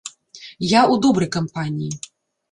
Я ў добрай кампаніі.